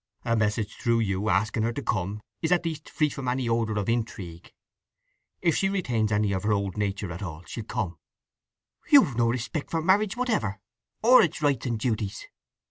A message through you asking her to come is at least free from any odour of intrigue. If she retains any of her old nature at all, she'll come." "You've no respect for marriage whatever, or its rights and duties!"